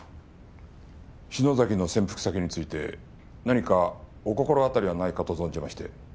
篠崎の潜伏先について何かお心当たりはないかと存じまして。